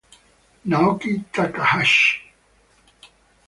Naoki Takahashi